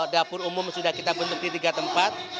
dapur umum sudah kita bentuk di tiga tempat